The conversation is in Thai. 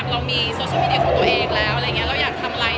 ผู้ประ๑๙๗๘ว่าใช่